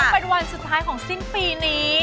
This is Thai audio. เป็นวันสุดท้ายของสิ้นปีนี้